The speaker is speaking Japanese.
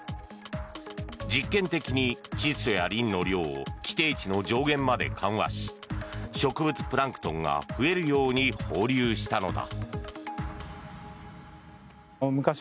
実験的に窒素やリンの量を規定値の上限まで緩和し植物プランクトンが増えるように放流したのだ。